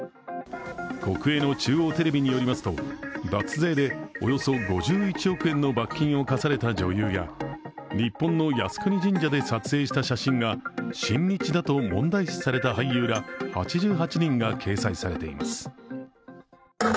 国営の中央テレビによりますと、脱税でおよそ５１億円の罰金を科された女優や日本の靖国神社で撮影した写真が親日だと問題視された俳優ら８８人が掲載されています。